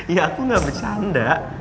ya aku gak bercanda